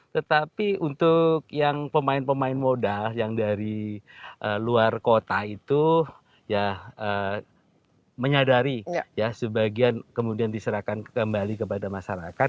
tetapi untuk yang pemain pemain modal yang dari luar kota itu ya menyadari ya sebagian kemudian diserahkan kembali kepada masyarakat